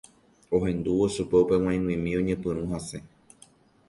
Ohendúvo chupe upe g̃uaig̃uimi oñepyrũ hasẽ